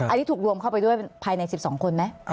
อันนี้ถูกรวมเข้าไปด้วยภายใน๑๒คนไหม